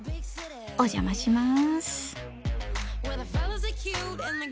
お邪魔します。